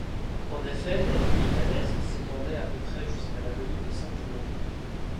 En effet, la limite à l'est s'étendait à peu près jusqu'à l'avenue de Saint-Ouen.